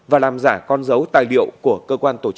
và làm giả con dấu tài liệu của cơ quan tổ chức